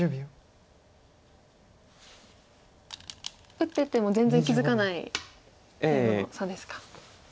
打ってても全然気付かない差ですか。